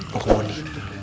mau ke bondi